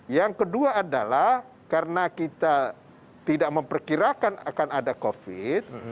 yang kedua adalah karena kita tidak memperkirakan akan ada covid